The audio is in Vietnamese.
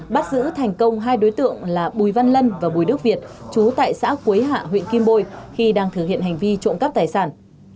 bắt giữ thành công hai đối tượng là bùi văn lân và bùi đức việt chú tại xã quế hạ huyện kim bôi khi đang thực hiện hành vi trộm cắp tài sản